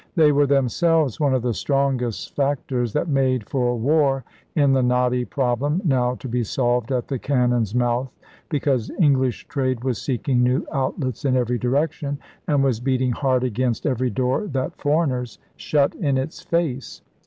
They were themselves one of the strongest fac tors that made for war in the knotty prob lem now to be solved at the cannon's mouth because English trade was seeking new outlets in every direction and was beating hard against every door that foreigners shut in its face.